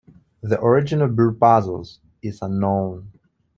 The origin of burr puzzles is unknown.